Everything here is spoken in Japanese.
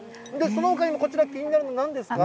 そのほかにもこちら、気になるの、なんですか？